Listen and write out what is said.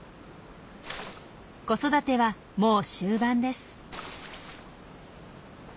子育てはもう終盤です。